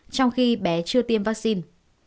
trong khi bé chưa tiêm vaccine